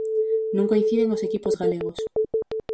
Non coinciden os equipos galegos.